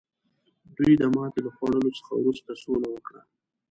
دوی د ماتې له خوړلو څخه وروسته سوله وکړه.